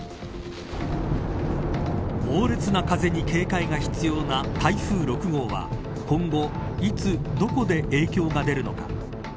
猛烈な風に警戒が必要な台風６号は今後、いつどこで影響が出るのか。